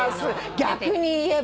逆に言えば。